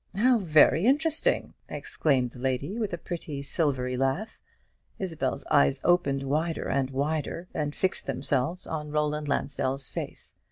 "How very interesting!" exclaimed the lady, with a pretty silvery laugh. Isabel's eyes opened wider and wider, and fixed themselves on Roland Lansdell's face.